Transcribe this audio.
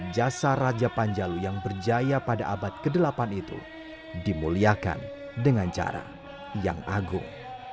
jasa raja panjalu yang berjaya pada abad ke delapan itu dimuliakan dengan cara yang agung